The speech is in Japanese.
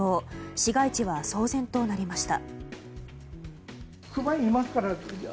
市街地は騒然となりました。